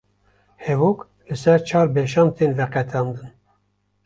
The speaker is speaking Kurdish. hevok li ser çar beşan tên veqetandin